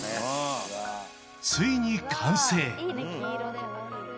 ついに完成！